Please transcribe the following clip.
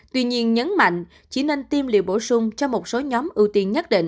tuy nhiên nhấn mạnh chỉ nên tiêm liệu bổ sung cho một số nhóm ưu tiên nhất định